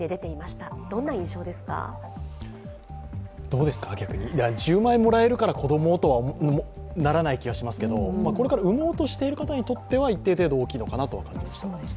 どうですか、１０万円もらえるから子供を産もうとはならない気がしますけれども、これから産もうとしている方には一定程度、大きいのかなと思います